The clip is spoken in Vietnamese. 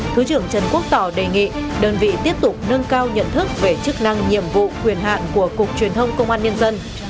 thứ trưởng trần quốc tỏ đề nghị đơn vị tiếp tục nâng cao nhận thức về chức năng nhiệm vụ quyền hạn của cục truyền thông công an nhân dân